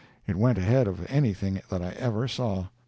It went ahead of anything that ever I saw.